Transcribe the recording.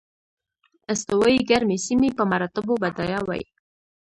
استوایي ګرمې سیمې په مراتبو بډایه وې.